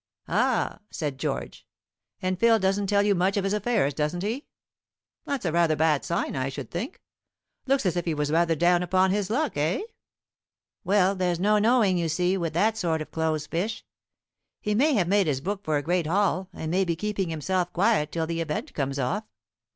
"Ah," said George, "and Phil doesn't tell you much of his affairs, doesn't he? That's rather a bad sign, I should think. Looks as if he was rather down upon his luck, eh?" "Well, there's no knowing, you see, with that sort of close fish. He may have made his book for a great haul, and may be keeping himself quiet till the event comes off.